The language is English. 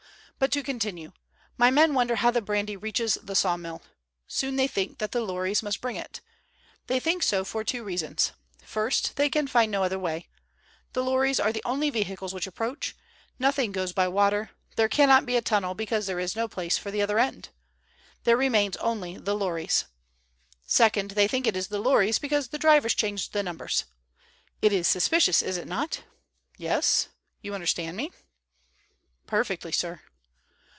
"But to continue. My men wonder how the brandy reaches the sawmill. Soon they think that the lorries must bring it. They think so for two reasons. First, they can find no other way. The lorries are the only vehicles which approach; nothing goes by water; there cannot be a tunnel, because there is no place for the other end. There remains only the lorries. Second, they think it is the lorries because the drivers change the numbers. It is suspicious, is it not? Yes? You understand me?" "Perfectly, sir."